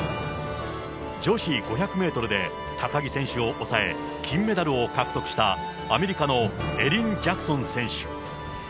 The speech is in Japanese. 女子５００メートルで高木選手を抑え、金メダルを獲得したアメリカのエリン・ジャクソン選手。